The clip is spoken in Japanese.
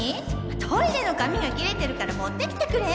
トイレの紙が切れてるから持ってきてくれ！？